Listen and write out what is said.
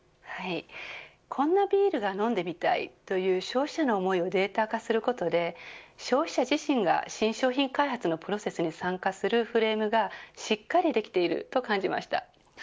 こんなビールを飲んでみたいという消費者の思いをデータ化することで消費者自身が、新商品開発のプロセスに参加するフレームがしっかりできていると感じました。